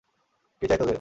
কী চাই তোদের?